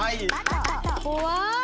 怖い！